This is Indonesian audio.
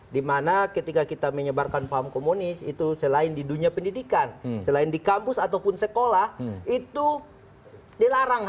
dimana ketika kita menyebarkan paham komunis itu selain di dunia pendidikan selain di kampus ataupun sekolah itu dilarang